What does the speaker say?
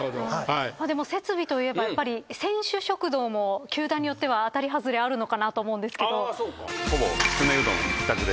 設備といえばやっぱり選手食堂も球団によっては当たりハズレあるのかなと思うんですけど。